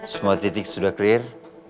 semua titik sudah clear